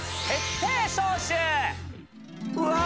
うわ！